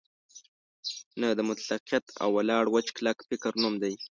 نه د مطلقیت او ولاړ وچ کلک فکر نوم دی.